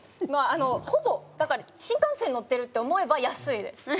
まああのほぼだから新幹線に乗ってるって思えば安いです。